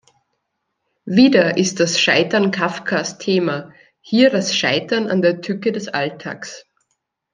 Wieder ist das Scheitern Kafkas Thema, hier das Scheitern an der Tücke des Alltags.